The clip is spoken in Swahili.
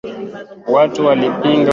Watu walipinga uongozi ya Amin